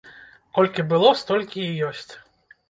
Колькі было, столькі і ёсць.